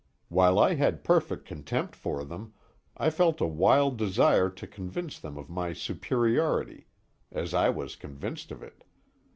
While I had perfect contempt for them, I felt a wild desire to convince them of my superiority, as I was convinced of it.